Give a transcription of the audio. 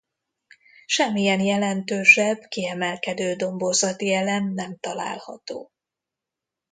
Semmilyen jelentősebb kiemelkedő domborzati elem nem található.